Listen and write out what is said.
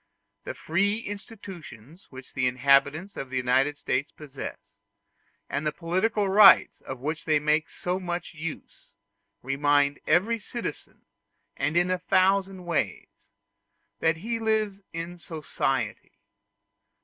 The free institutions which the inhabitants of the United States possess, and the political rights of which they make so much use, remind every citizen, and in a thousand ways, that he lives in society.